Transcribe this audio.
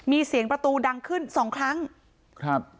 มีเสียงประตูดังขึ้นสองครั้งครับ